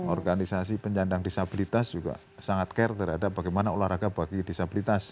organisasi penyandang disabilitas juga sangat care terhadap bagaimana olahraga bagi disabilitas